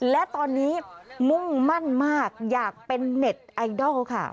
และตอนนี้มุ่งมั่นมากอยากเป็นเน็ตไอดอลค่ะ